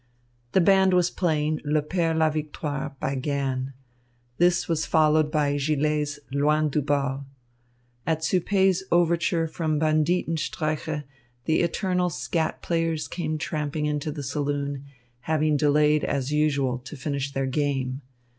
The band was playing Le Père la Victoire by Ganne. This was followed by Gillet's Loin du Bal. At Suppé's overture from Banditenstreiche, the eternal skat players came tramping into the saloon, having delayed, as usual, to finish their game.